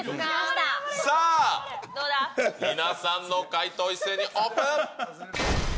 さあ、皆さんの回答、一斉にオープン。